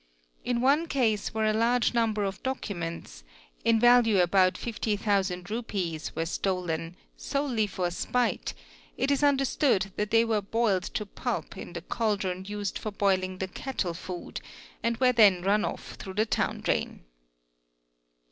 In one case where a large number of documents, in value about Rs. 50,000, were — stolen, solely for spite, it is understood that they were boiled to puly : in the caldron used for boiling the cattle food and were then run of through the town drain.